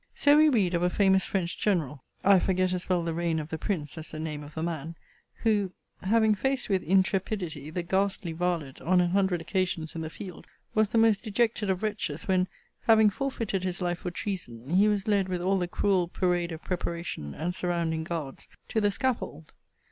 So we read of a famous French general [I forget as well the reign of the prince as the name of the man] who, having faced with intrepidity the ghastly varlet on an hundred occasions in the field, was the most dejected of wretches, when, having forfeited his life for treason, he was led with all the cruel parade of preparation, and surrounding guards, to the scaffold.